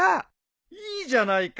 いいじゃないか。